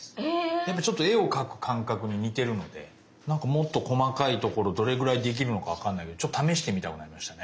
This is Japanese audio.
やっぱちょっと絵を描く感覚に似てるのでもっと細かいところどれぐらい出来るのか分かんないけどちょっと試してみたくなりましたね。